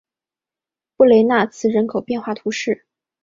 布雷纳兹人口变化图示